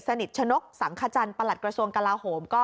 สนิจชนกสังคจันดิปรหลัดกระสวงกลาโโโฮมก็